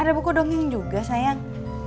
ada buku dongeng juga sayang